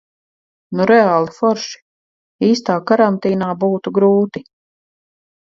Nu reāli forši. Īstā karantīnā būtu grūti.